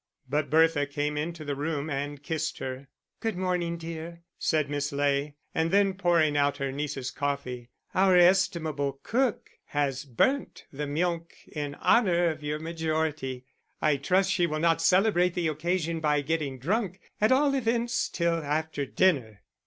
But Bertha came into the room and kissed her. "Good morning, dear," said Miss Ley, and then, pouring out her niece's coffee, "our estimable cook has burnt the milk in honour of your majority; I trust she will not celebrate the occasion by getting drunk at all events, till after dinner."